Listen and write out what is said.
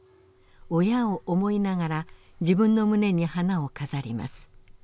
親を思いながら自分の胸に花を飾ります。